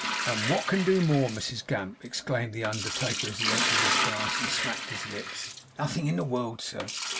'And what can do more, Mrs Gamp?' exclaimed the undertaker as he emptied his glass and smacked his lips. 'Nothing in the world, sir.